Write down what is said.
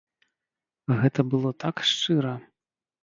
Гэта было так шчыра!